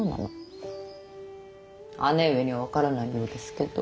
姉上には分からないようですけど。